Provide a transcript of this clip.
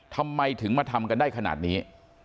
ทำไมถึงมาทำกันได้ขนาดนี้